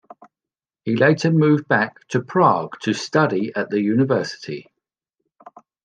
He later moved back to Prague to study at the university.